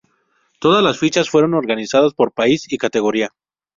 Todas las fichas fueron organizadas por país y categoría.